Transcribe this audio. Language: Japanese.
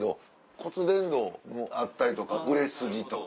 骨伝導あったりとか売れ筋とか。